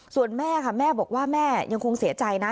ส่วนแม่ค่ะแม่บอกว่าแม่ยังคงเสียใจนะ